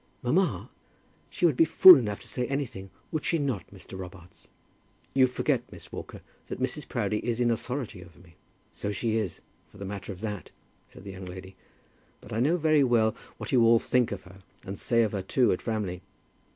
"Mamma, she would be fool enough to say anything. Would she not, Mr. Robarts?" "You forget, Miss Walker, that Mrs. Proudie is in authority over me." "So she is, for the matter of that," said the young lady; "but I know very well what you all think of her, and say of her too, at Framley.